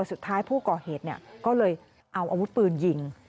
สุดท้ายผู้ก่อเหตุก็เลยเอาอาวุธปืนยิง